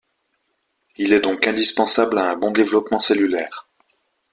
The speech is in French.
Il est donc indispensable à un bon développement cellulaire.